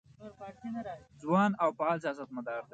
ځوان او فعال سیاستمدار دی.